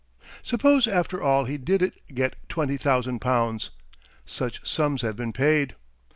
Suppose after all he did get twenty thousand pounds; such sums have been paid!